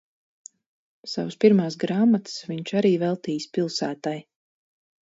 Savas pirmās grāmatas viņš arī veltījis pilsētai.